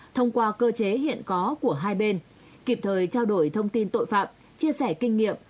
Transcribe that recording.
thông qua cơ chế hiện có của hai bên kịp thời trao đổi thông tin tội phạm chia sẻ kinh nghiệm